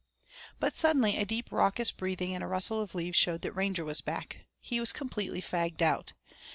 But suddenly a deep raucous breathing and a rustle of leaves showed that Ranger was back. He was completely fagged out.